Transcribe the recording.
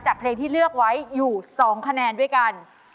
เพลงที่เลือกไว้อยู่๒คะแนนด้วยกัน